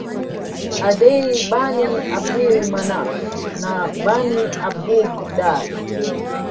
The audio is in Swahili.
Adiyy Bani Abdil Manaaf na Bani Abdid Daar